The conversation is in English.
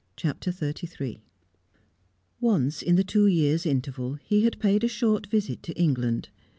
CHAPTER XXXIII Once in the two years' interval he had paid a short visit to England.